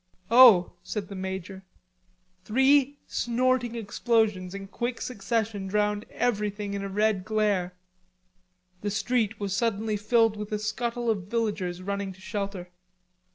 "Oh," said the major. Three snorting explosions in quick succession drowned everything in a red glare. The street was suddenly filled with a scuttle of villagers running to shelter.